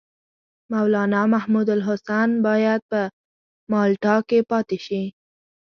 مولنا محمودالحسن باید په مالټا کې پاته شي.